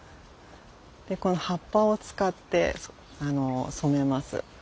でこの葉っぱを使って染めます。